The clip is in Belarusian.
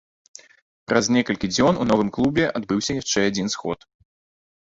Праз некалькі дзён у новым клубе адбыўся яшчэ адзін сход.